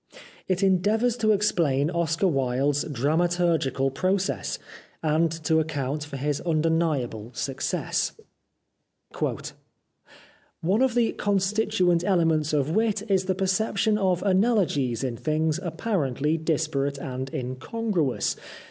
It endeavours to explain Oscar Wilde's 327 TKc Life of Oscar Wilde dramaturgical process, and to account for his undeniable success. " One of the constituent elements of wit is the perception of analogies in things apparently dis parate and incongruous.